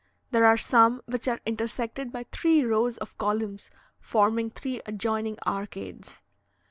There are some which are intersected by three rows of columns, forming three adjoining arcades.